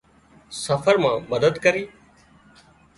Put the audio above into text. سفر مان مدد ڪري۔